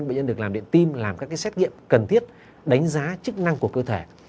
bệnh nhân được làm điện tim làm các xét nghiệm cần thiết đánh giá chức năng của cơ thể